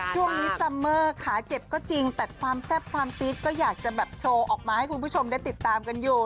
ซัมเมอร์ขาเจ็บก็จริงแต่ความแซ่บความปี๊ดก็อยากจะแบบโชว์ออกมาให้คุณผู้ชมได้ติดตามกันอยู่